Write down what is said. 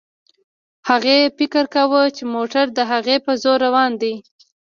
هغې فکر کاوه چې موټر د هغې په زور روان دی.